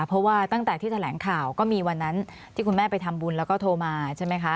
เพราะว่าตั้งแต่ที่แถลงข่าวก็มีวันนั้นที่คุณแม่ไปทำบุญแล้วก็โทรมาใช่ไหมคะ